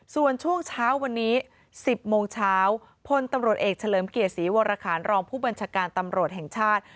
ส่วนช่วงเช้าวันนี้๑๐โมงเช้าพลตำรวจเอกเฉลิมเกียรติศรีวรคารรองผู้บัญชาการตำรวจแห่งชาติ